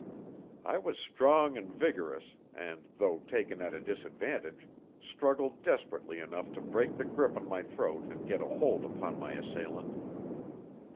I was strong and vigorous, and, though taken at a disadvantage, struggled desperately enough to break the grip on my throat and get a hold upon my assailant.